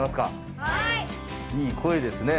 いい声ですね！